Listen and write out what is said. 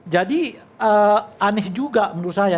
jadi aneh juga menurut saya